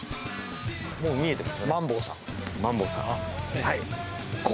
もう見えてますよね。